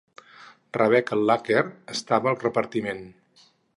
Rebecca Luker estava al repartiment.